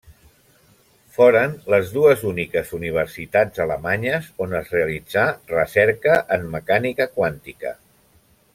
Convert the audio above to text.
Foren les dues úniques universitats alemanyes on es realitzà recerca en mecànica quàntica.